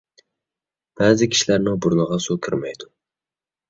بەزى كىشىلەرنىڭ بۇرنىغا سۇ كىرمەيدۇ.